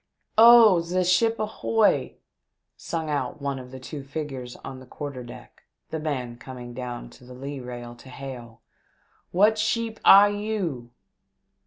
" Oh, ze sheep ahoy !" sung out one of the two figures on the quarter deck, the man coming down to the lee rail to hail, " What sheep air you